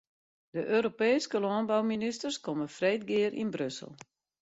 De Europeeske lânbouministers komme freed gear yn Brussel.